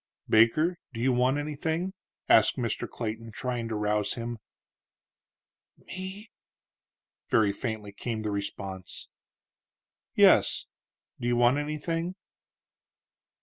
"Baker, do you want anything?" asked Mr. Clayton, trying to rouse him. "Me?" very faintly came the response. "Yes. Do you want anything?"